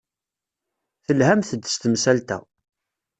Telhamt-d s temsalt-a.